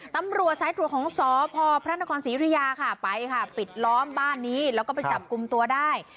ตำรวจสายตรวจของสพพระนครศรียุธยาค่ะไปค่ะปิดล้อมบ้านนี้แล้วก็ไปจับกลุ่มตัวได้